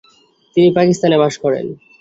তিনি পাকিস্তানে বাস করেন।